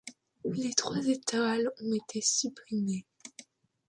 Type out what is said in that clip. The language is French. Les trois étoiles ont été supprimées.